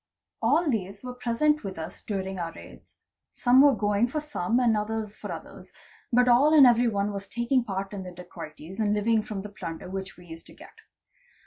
All these were present with us during our raids—some were going for some and others for others, but all and every one was taking part in the dacoities and living from the plunder which we used to get.